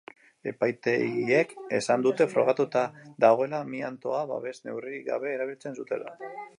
Epaitegiek esan dute frogatuta dagoela amiantoa babes neurririk gabe erabiltzen zutela.